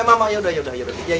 eh mak eh mak ya udah ya udah